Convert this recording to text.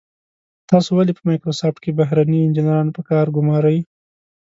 تاسو ولې په مایکروسافټ کې بهرني انجنیران په کار ګمارئ.